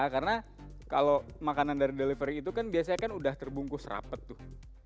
karena kalau makanan dari delivery itu kan biasanya kan udah terbungkus rapet tuh